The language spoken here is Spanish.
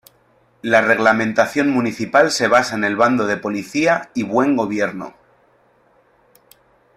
La reglamentación municipal se basa en el bando de policía y buen gobierno.